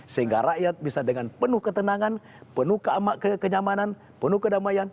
sehingga rakyat bisa dengan penuh ketenangan penuh kenyamanan penuh kedamaian